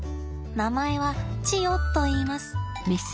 名前はチヨといいます。